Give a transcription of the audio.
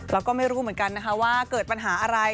แล้วก็ไม่รู้เหมือนกันนะคะว่าเกิดปัญหาอะไร